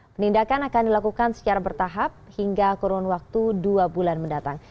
penindakan akan dilakukan secara bertahap hingga kurun waktu dua bulan mendatang